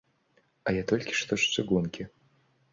А я толькі што з чыгункі.